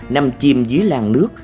nằm chìm dưới làng nước